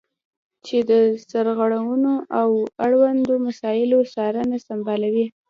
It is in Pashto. چې د سرغړونو او اړوندو مسایلو څارنه سمبالوي.